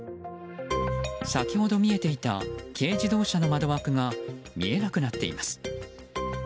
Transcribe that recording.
先ほど見えていた軽自動車の窓枠が見えなくなっています。